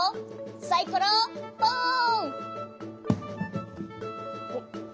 サイコロポン！